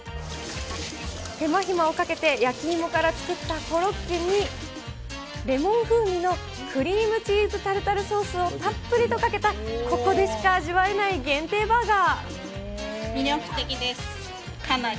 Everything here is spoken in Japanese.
手間ひまをかけて焼き芋から作ったコロッケに、レモン風味のクリームチーズタルタルソースをたっぷりとかけたこ魅力的です、かなり。